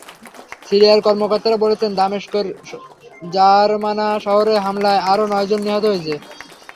সিরিয়ার কর্মকর্তারা বলছেন, দামেস্কের জারমানা শহরে হামলায় আরও নয়জন নিহত হয়েছে।